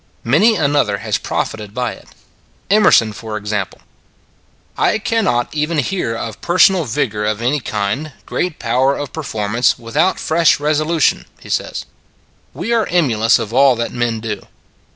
Many an other has profited by it; Emerson, for ex ample :" I cannot even hear of personal vigor of any kind, great power of performance, without fresh resolution," he says. " We are emulous of all that men do.